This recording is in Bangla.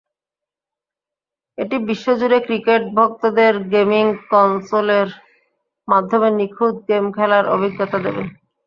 এটি বিশ্বজুড়ে ক্রিকেট-ভক্তদের গেমিং কনসোলের মাধ্যমে নিখুঁত গেম খেলার অভিজ্ঞতা দেবে।